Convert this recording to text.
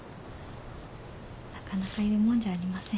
なかなかいるもんじゃありません。